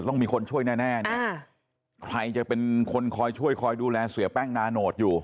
ต้องมีคนช่วยแน่เนี่ยใครจะเป็นคนคอยช่วยคอยดูแลเสียแป้งนาโนตอยู่